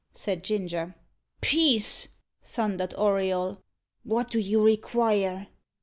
said Ginger. "Peace!" thundered Auriol. "What do you require?"